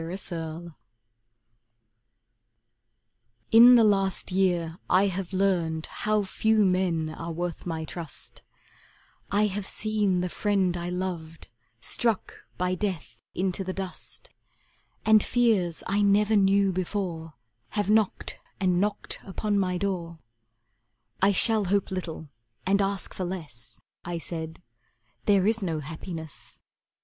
Red Maples In the last year I have learned How few men are worth my trust; I have seen the friend I loved Struck by death into the dust, And fears I never knew before Have knocked and knocked upon my door "I shall hope little and ask for less," I said, "There is no happiness."